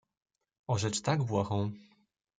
"o rzecz tak błahą."